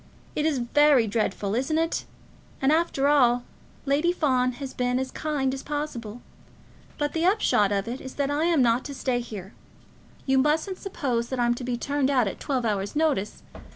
It is very dreadful, isn't it? And, after all, Lady Fawn has been as kind as possible. But the upshot of it is, that I am not to stay here. You mustn't suppose that I'm to be turned out at twelve hours' notice.